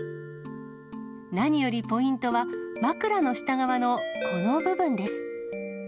何よりポイントは、枕の下側のこの部分です。